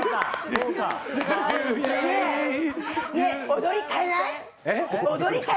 踊り、変えない？